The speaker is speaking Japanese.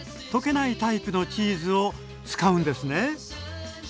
溶けないタイプのチーズを使うんですね？